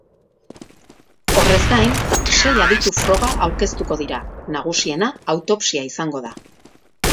Horrez gain, sei aditu-froga aurkeztuko dira, nagusiena, autopsia izango da.